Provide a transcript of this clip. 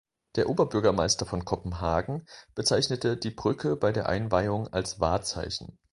Der Oberbürgermeister von Kopenhagen bezeichnete die Brücke bei der Einweihung als Wahrzeichen.